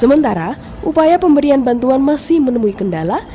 sementara upaya pemberian bantuan masih menemui kendala